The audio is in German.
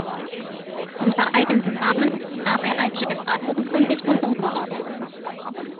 Unter eigenem Namen nahm er ein Jazzalbum für Metronome auf.